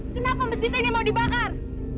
kenapa masjid ini mau dibakar